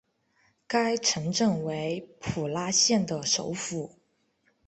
该城镇为普拉县的首府。